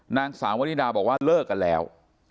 นางสาววนิดาบอกว่าเลิกกันแล้ว